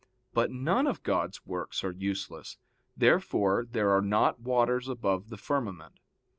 But none of God's works are useless. Therefore there are not waters above the firmament.